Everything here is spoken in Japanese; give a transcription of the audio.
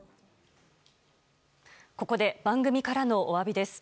ここで番組からのおわびです。